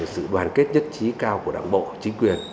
sự đoàn kết nhất trí cao của đảng bộ chính quyền